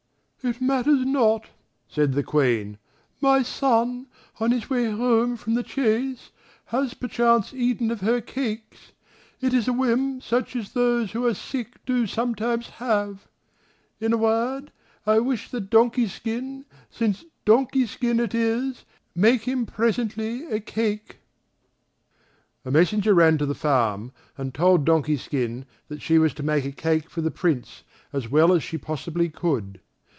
"It matters not," said the Queen; "my son, on his way home from the chase, has perchance eaten of her cakes; it is a whim such as those who are sick do sometimes have. In a word, I wish that Donkey skin, since Donkey skin it is, make him presently a cake." A messenger ran to the farm and told Donkey skin that she was to make a cake for the Prince as well as she possibly could.